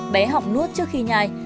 bé học nuốt trước khi nhai